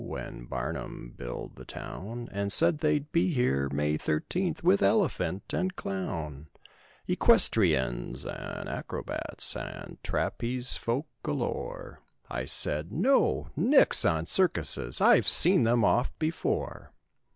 When Barnum billed the town. And said they'd be here May thirteenth With elephant and clown ; Equestrienes and acrobats And trapeze folk galore— , I said—"No. Nix on circuses— I've seen them oft before."